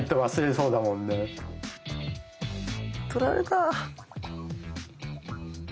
取られた。）